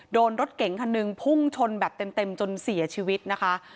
โดนรถเก๋งคันหนึ่งพุ่งชนแบบเต็มจนเสียชีวิตนะคะ